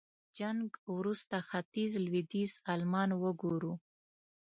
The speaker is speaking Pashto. جنګ وروسته ختيځ لوېديځ المان وګورو.